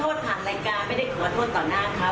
โพสเป็นเนื้อดาชาส